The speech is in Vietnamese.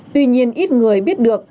tuy nhiên ít người biết được